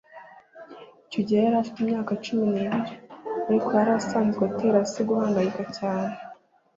icyo gihe yari afite imyaka cumi n'ibiri ariko yari asanzwe atera se guhangayika cyane